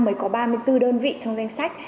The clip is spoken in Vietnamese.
mới có ba mươi bốn đơn vị trong danh sách